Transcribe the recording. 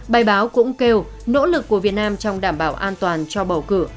bài báo cũng kêu nỗ lực của việt nam trong đảm bảo an toàn cho bầu cử